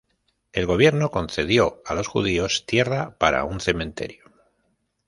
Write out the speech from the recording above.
El gobierno concedió a los judíos tierra para un cementerio.